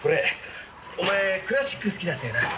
お前クラシック好きだったよな？